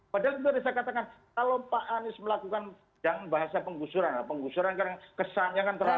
padahal itu saya katakan kalau pak amis melakukan jangan bahasa pengusuran pengusuran kan kesannya terlalu terlalu